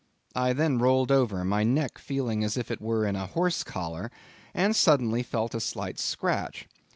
I then rolled over, my neck feeling as if it were in a horse collar; and suddenly felt a slight scratch.